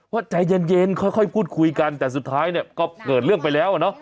ว่าใจเย็นค่อยพูดคุยกันแต่สุดท้ายเนี่ยก็เกิดเรื่องไปแล้วอ่ะเนอะ